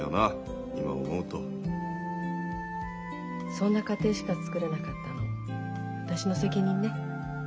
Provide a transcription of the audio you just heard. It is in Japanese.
そんな家庭しかつくれなかったの私の責任ね。